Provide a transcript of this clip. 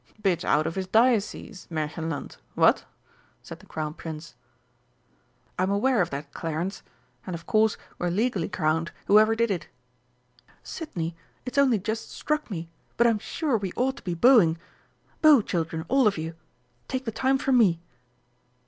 "Bit out of his diocese, Märchenland, what?" said the Crown Prince. "I'm aware of that, Clarence; and, of course, we're legally crowned, whoever did it.... Sidney, it's only just struck me, but I'm sure we ought to be bowing. Bow, children, all of you take the time from me.